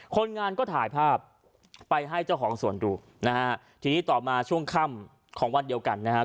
คนงานก็ถ่ายภาพไปให้เจ้าของสวนดูนะฮะทีนี้ต่อมาช่วงค่ำของวันเดียวกันนะฮะ